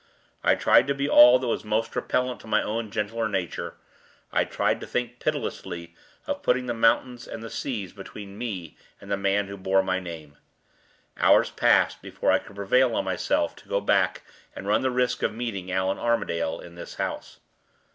I tried to be all that was most repellent to my own gentler nature; I tried to think pitilessly of putting the mountains and the seas between me and the man who bore my name. Hours passed before I could prevail on myself to go back and run the risk of meeting Allan Armadale in this house.